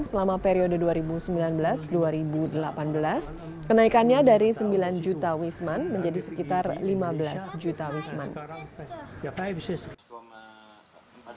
selama periode dua ribu sembilan belas dua ribu delapan belas kenaikannya dari sembilan juta wisman menjadi sekitar lima belas juta wisman